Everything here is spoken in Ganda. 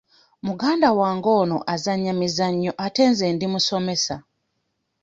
Muganda wange ono azannya mizannyo ate nze ndi musomesa.